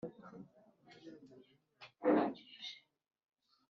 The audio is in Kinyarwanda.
abami baho bakagengwa n'umwami w' i nduga mwene